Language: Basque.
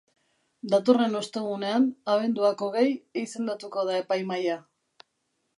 Datorren ostegunean, abenduak hogei, izendatuko da epaimahaia.